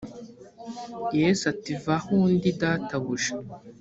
yesu ati va aho ndi databuja